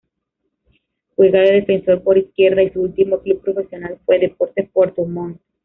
Juega de Defensor por izquierda y su último club profesional fue Deportes Puerto Montt.